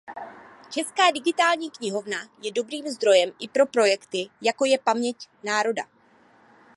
Česká digitální knihovna je dobrým zdrojem i pro projekty jako je Paměť národa.